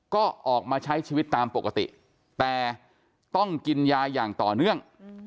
ก็ออกมาใช้ชีวิตตามปกติแต่ต้องกินยาอย่างต่อเนื่อง